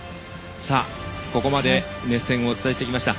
ここまで熱戦をお伝えしてきました。